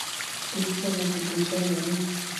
دوی خپله بودیجه لري.